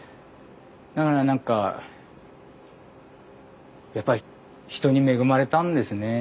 だから何かやっぱり人に恵まれたんですね。